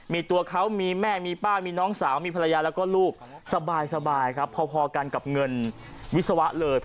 มีตัวเขามีแม่มีป้ามีน้องสาวมีภรรยาแล้วก็ลูกสบายครับพอกันกับเงินวิศวะเลย